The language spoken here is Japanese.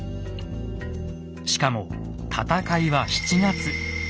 しかも戦いは７月。